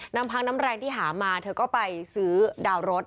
พังน้ำแรงที่หามาเธอก็ไปซื้อดาวรถ